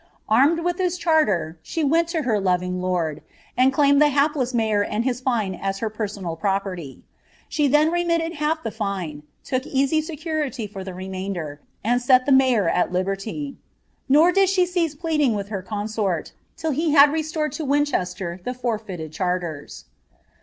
Armed \rith this charter, she went to her loving lord, and claimed the hapless Unyor and his fine as her pergonal property. Slie then remitted half the fine ; took easy security for the remainder, and set the mayor at liber^; nor did she cease pleading with her consort, till he had restored to Win chester the forfeited charters.'